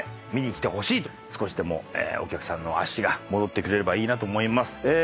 少しでもお客さんの足が戻ってくれればいいなと思います。